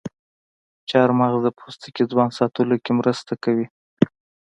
چارمغز د پوستکي ځوان ساتلو کې مرسته کوي.